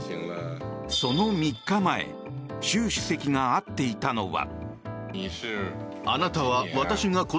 その３日前習主席が会っていたのは。